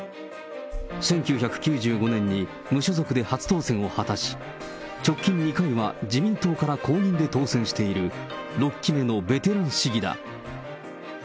１９９５年に無所属で初当選を果たし、直近２回は自民党から公認で当選している、６期目のベテラン市議だ。